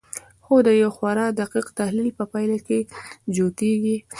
خو د یوه خورا دقیق تحلیل په پایله کې جوتېږي